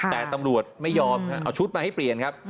แต่ตำรวจไม่ยอมเอาชุดมาให้เปลี่ยนครับ